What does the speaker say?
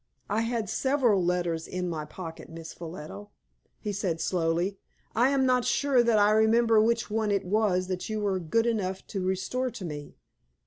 "I had several letters in my pocket, Miss Ffolliot," he said, slowly. "I am not sure that I remember which one it was that you were good enough to restore to me.